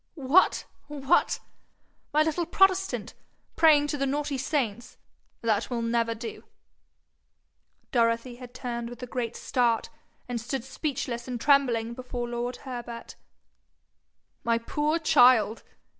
'What! what! My little protestant praying to the naughty saints! That will never do.' Dorothy had turned with a great start, and stood speechless and trembling before lord Herbert. 'My poor child!'